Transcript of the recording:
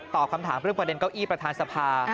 คำถามเรื่องประเด็นเก้าอี้ประธานสภา